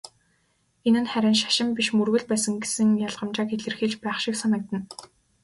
Энэ нь харин "шашин" биш "мөргөл" байсан гэсэн ялгамжааг илэрхийлж байх шиг санагдаж байна.